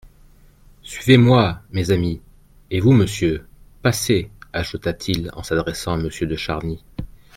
Suivez-moi, mes amis, et vous, monsieur, passez, ajouta-t-il en s'adressant à Monsieur de Charny.